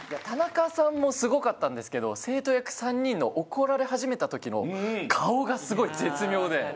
田中さんもすごかったんですけど生徒役３人の怒られ始めた時の顔がすごい絶妙で。